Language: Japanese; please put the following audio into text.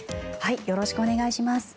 よろしくお願いします。